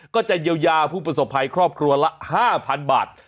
ก็จะเยียวยาผู้ประสบภัยครอบครัวละ๕๐๐๐บาท